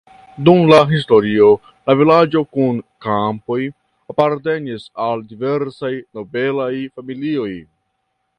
Dum la historio la vilaĝo kun kampoj apartenis al diversaj nobelaj familioj.